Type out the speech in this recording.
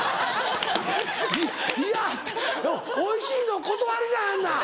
「いや」っておいしいの断りなはんな！